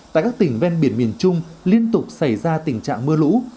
tại các tỉnh ven biển miền trung liên tục xảy ra tình trạng mưa lũ